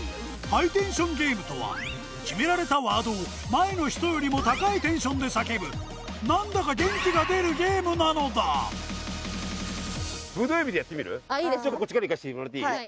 ハイテンションゲームとは決められたワードを前の人よりも高いテンションで叫ぶ何だか元気が出るゲームなのだちょっとこっちからいかしてもらっていい？